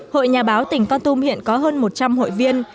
hội nhà báo tỉnh con tum hiện có hơn một trăm linh hội viên